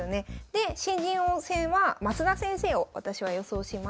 で新人王戦は増田先生を私は予想します。